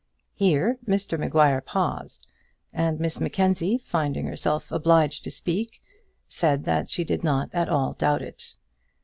Here Mr Maguire paused, and Miss Mackenzie, finding herself obliged to speak, said that she did not at all doubt it.